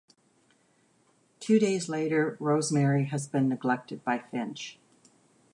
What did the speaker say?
Two days later, Rosemary has been neglected by Finch.